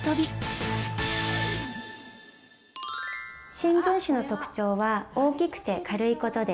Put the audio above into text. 新聞紙の特徴は大きくて軽いことです。